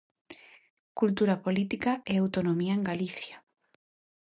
Cultura política e autonomía en Galicia.